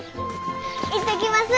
行ってきます！